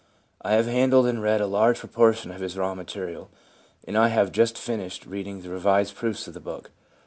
I have handled and read a large proportion of his raw material, and I have just finished reading the revised proofs of the book.